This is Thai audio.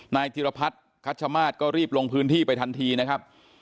นายธิรพัฒน์คัชมาศก็รีบลงพื้นที่ไปทันทีนะครับ